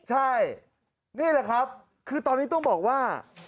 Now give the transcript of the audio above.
ใช่นี่แหละครับคือตอนนี้ต้องบอกว่า